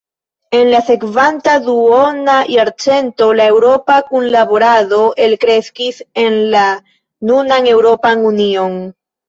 En la sekvanta duona jarcento la eŭropa kunlaborado elkreskis en la nunan Eŭropan Union.